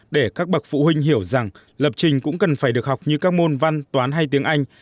để các bậc phụ huynh hiểu rằng lập trình cũng cần phải được học như các môn văn toán hay tiếng anh